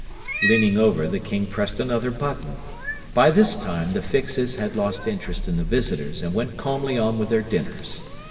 Leaning over, the King pressed another button. By this time, the Fixes had lost interest in the visitors and went calmly on with their dinners.